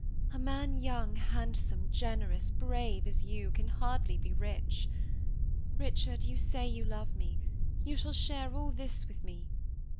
A man young, handsome, generous, brave, as you, can hardly be rich. Richard, you say you love me; you shall share all this with me.